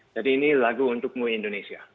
jadi ini lagu untukmu indonesia